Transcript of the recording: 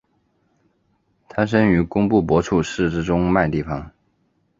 他生于工布博楚寺之中麦地方。